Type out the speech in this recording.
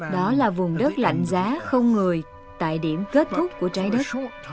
đó là vùng đất lạnh giá không người tại điểm kết thúc của trái đất